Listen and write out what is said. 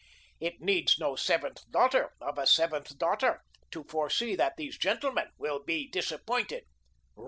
It needs no seventh daughter of a seventh daughter to foresee that these gentlemen will be disappointed."